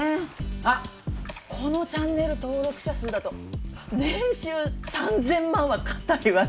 あっこのチャンネル登録者数だと年収３０００万は堅いわね。